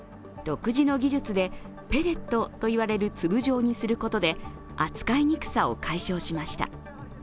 独自の技術でペレットといわれる粒状にすることで扱いにくさを解消しました。